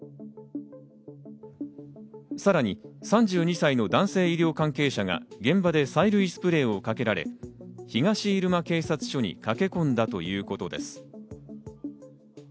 さらに３２歳の男性医療関係者が現場で催涙スプレーをかけられ、東入間警察署に駆け込んだということです。